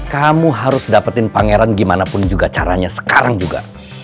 kamu harus dapetin pangeran gimana pun juga caranya sekarang juga